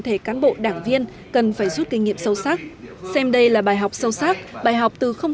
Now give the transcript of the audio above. thể cán bộ đảng viên cần phải rút kinh nghiệm sâu sắc xem đây là bài học sâu sắc bài học từ không